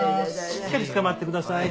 しっかりつかまってください。